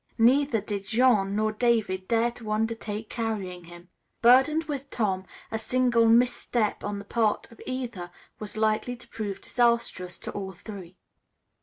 Neither did Jean nor David dare to undertake carrying him. Burdened with Tom, a single misstep on the part of either was likely to prove disastrous to all three.